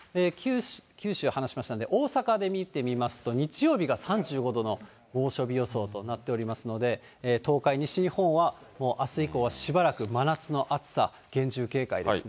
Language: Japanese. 九州、話しましたんで、大阪で見てみますと、日曜日が３５度の猛暑日予想となっておりますので、東海、西日本はもうあす以降はしばらく真夏の暑さ、厳重警戒ですね。